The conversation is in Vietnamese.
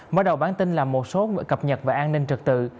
mở đầu bản tin là một số cập nhật về an ninh trật tự